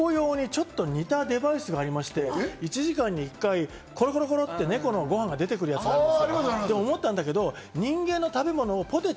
家に、ニャンコ用に似たデバイスがありまして、１時間に１回、コロコロコロって猫のご飯が出てくるやつがあるんです。